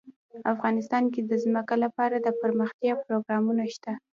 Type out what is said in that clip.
افغانستان کې د ځمکه لپاره دپرمختیا پروګرامونه شته.